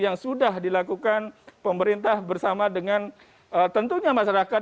yang sudah dilakukan pemerintah bersama dengan tentunya masyarakat